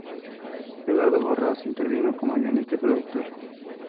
Eduardo Borrás intervino como guionista y productor.